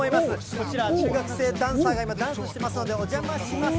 こちら、中学生ダンサーが今、ダンスをしてますので、お邪魔します。